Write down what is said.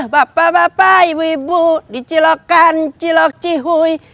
bapak bapak ibu ibu dicilokan cilok cihuy